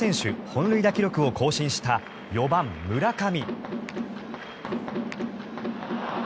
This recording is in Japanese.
本塁打記録を更新した４番、村上。